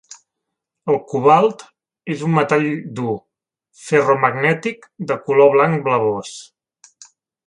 El cobalt és un metall dur, ferromagnètic, de color blanc blavós.